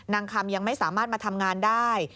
นางคำยังไม่สามารถมาทำงานได้